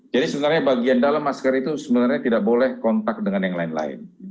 jadi sebenarnya bagian dalam masker itu sebenarnya tidak boleh kontak dengan yang lain lain